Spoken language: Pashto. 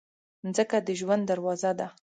مځکه د ژوند دروازه ده.